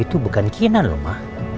itu bukan kinan loh mah